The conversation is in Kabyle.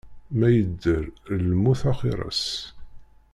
Ma yedder, lmut axir-as.